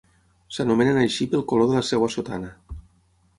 S'anomenen així pel color de la seva sotana.